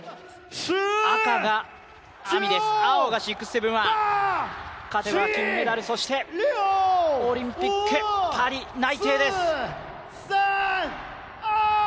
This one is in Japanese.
赤がＡＭＩです、青が６７１、勝てば金メダル、そしてオリンピック、パリ内定です。